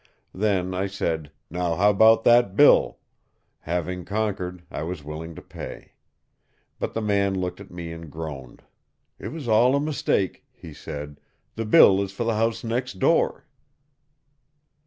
Then I said, "Now how about that bill?" Having conquered, I was willing to pay. But the man looked at me and groaned. "It was all a mistake," he said; "the bill is for the house next door."